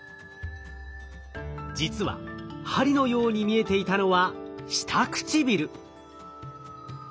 実は針のように見えていたのは下唇。